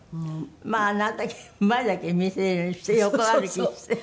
まあなるたけ前だけ見せれるようにして横歩きして。